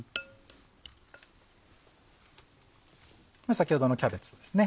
先ほどのキャベツですね